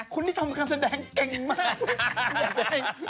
คุณนี่ทำการแสดงเก่งมาก